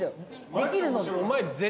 できるのに。